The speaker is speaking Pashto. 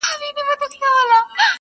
خلک ډېر وه تر درباره رسېدلي!